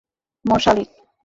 মর, শালি!